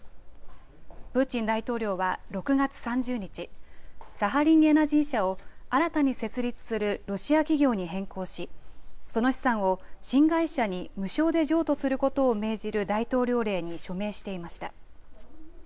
プーチン大統領は、６月３０日、サハリンエナジー社を新たに設立するロシア企業に変更し、その資産を新会社に無償で譲渡することを命じる大統領令に署名していました。